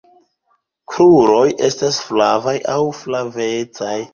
Kruroj estas flavaj aŭ flavecaj.